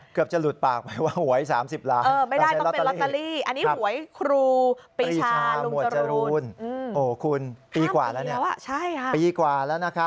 เกือบจะหลุดปาก